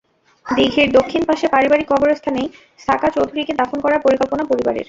দিঘির দক্ষিণ পাশে পারিবারিক কবরস্থানেই সাকা চৌধুরীকে দাফন করার পরিকল্পনা পরিবারের।